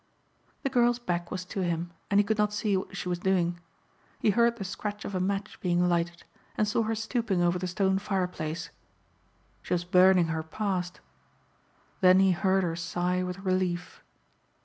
The girl's back was to him and he could not see what she was doing. He heard the scratch of a match being lighted and saw her stooping over the stone fireplace. She was burning her past. Then he heard her sigh with relief.